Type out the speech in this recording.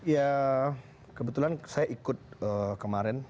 ya kebetulan saya ikut kemarin